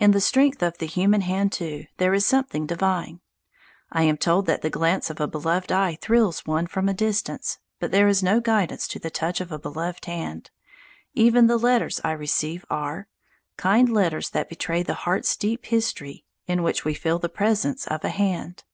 In the strength of the human hand, too, there is something divine. I am told that the glance of a beloved eye thrills one from a distance; but there is no distance in the touch of a beloved hand. Even the letters I receive are Kind letters that betray the heart's deep history, In which we feel the presence of a hand.